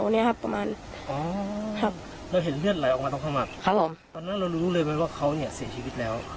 เราเห็นเลือดไหลออกมาตรงข้ามักตอนนั้นเรารู้เลยไหมว่าเขาเนี่ยเสียชีวิตแล้ว